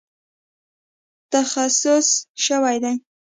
تخصیص شوې دي